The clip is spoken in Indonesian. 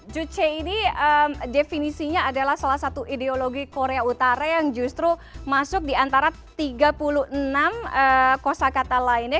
juche ini definisinya adalah salah satu ideologi korea utara yang justru masuk di antara tiga puluh enam kosa kata lainnya